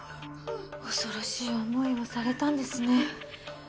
恐ろしい思いをされたんですね。